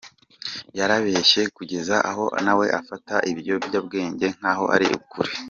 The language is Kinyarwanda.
Yarabeshye kugeza aho na we afata ibinyoma bye nk’aho ari ukuri.